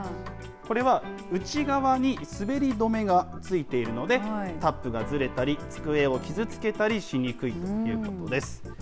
これは内側に滑り止めがついているので、タップがずれたり、机を傷つけたりしにくいということです。